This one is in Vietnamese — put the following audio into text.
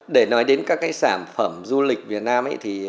để nói đến các sản phẩm du lịch việt nam